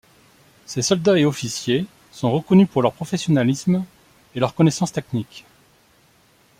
Ses soldats et officiers sont reconnus pour leur professionnalisme et leurs connaissances techniques.